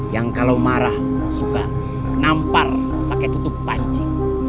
yang kalau marah suka nampar pakai tutup panci